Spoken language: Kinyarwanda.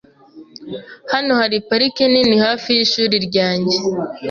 Hano hari parike nini hafi yishuri ryanjye .